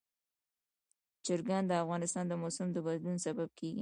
چرګان د افغانستان د موسم د بدلون سبب کېږي.